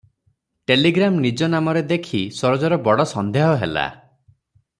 Telegram ନିଜ ନାମରେ ଦେଖି ସରୋଜର ବଡ଼ ସନ୍ଦେହ ହେଲା ।